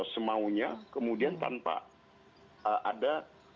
semaunya kemudian tanpa ada